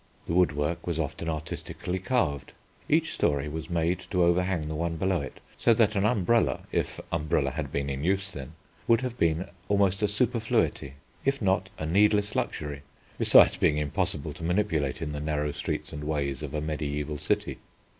The woodwork was often artistically carved. Each storey was made to overhang the one below it, so that an umbrella, if umbrellas had been in use then, would have been almost a superfluity, if not a needless luxury, besides being impossible to manipulate in the narrow streets and ways of a mediæval city.